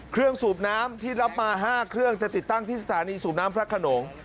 สูบน้ำที่รับมา๕เครื่องจะติดตั้งที่สถานีสูบน้ำพระขนง